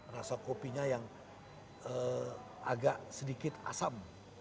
rasa kopinya yang agak sedikit asam